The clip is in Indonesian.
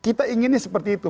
kita inginnya seperti itu